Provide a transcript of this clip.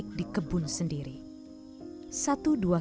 perhubungan dan raja